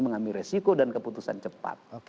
mengambil resiko dan keputusan cepat